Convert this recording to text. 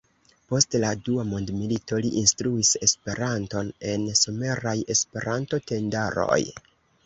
Post la dua mondmilito li instruis Esperanton en someraj E-tendaroj.